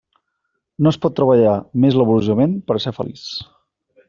No es pot treballar més laboriosament per a ser feliç.